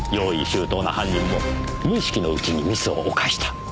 周到な犯人も無意識のうちにミスを犯した。